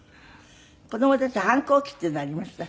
子供たち反抗期っていうのはありました？